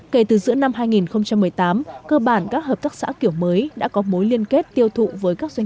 kể từ giữa năm hai nghìn một mươi tám cơ bản các hợp tác xã kiểu mới đã có mối liên kết tiêu thụ với các doanh